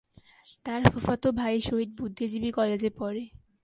তার ফুফাতো ভাই শহীদ বুদ্ধিজীবী কলেজে পড়ে।